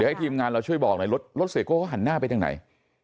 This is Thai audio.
ให้ทีมงานเราช่วยบอกหน่อยรถเสียโก้เขาหันหน้าไปทางไหน